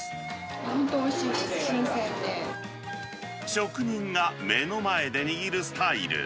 本当おいしい、職人が目の前で握るスタイル。